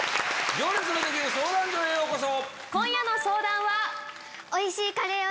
『行列のできる相談所』へようこそ。